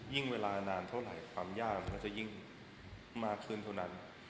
ยิ่งเวลานานเท่าไหร่ก็ยิ่งมาขึ้นทนนั้น